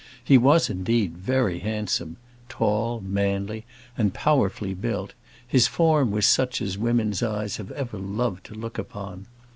He was, indeed, very handsome; tall, manly, and powerfully built, his form was such as women's eyes have ever loved to look upon.